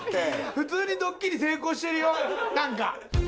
普通にドッキリ成功してるよなんか。